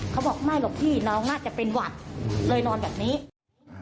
เขาบอกไม่หรอกพี่น้องน่าจะเป็นหวัดเลยนอนแบบนี้